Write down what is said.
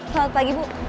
selamat pagi bu